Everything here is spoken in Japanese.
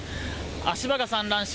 足場が散乱し